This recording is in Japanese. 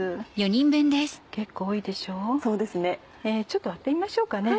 ちょっと割ってみましょうかね。